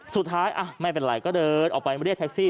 สุดท้ายไม่เป็นไรก็เดินออกไปมาเรียกแท็กซี่